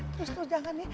terus terus jangan ya